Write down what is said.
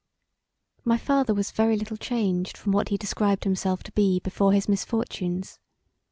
My father was very little changed from what he described himself to be before his misfortunes.